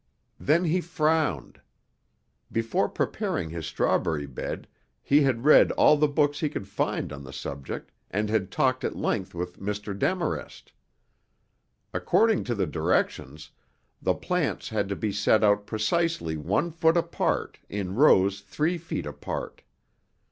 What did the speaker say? Then he frowned. Before preparing his strawberry bed, he had read all the books he could find on the subject and had talked at length with Mr. Demarest. According to the directions, the plants had to be set out precisely one foot apart in rows three feet apart.